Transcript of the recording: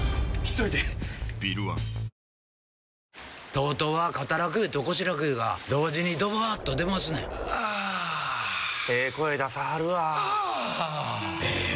ＴＯＴＯは肩楽湯と腰楽湯が同時にドバーッと出ますねんあええ声出さはるわあええ